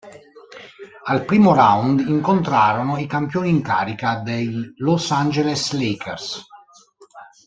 Al primo round incontrarono i campioni in carica dei Los Angeles Lakers.